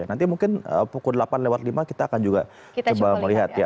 nanti mungkin pukul delapan lewat lima kita akan juga coba melihat ya